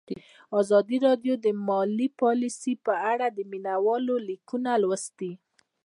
ازادي راډیو د مالي پالیسي په اړه د مینه والو لیکونه لوستي.